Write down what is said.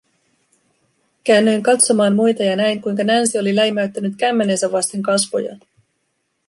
Käännyin katsomaan muita ja näin, kuinka Nancy oli läimäyttänyt kämmenensä vasten kasvojaan.